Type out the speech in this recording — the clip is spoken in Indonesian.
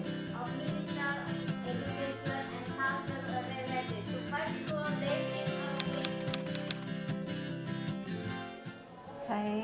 oh oke dua berarti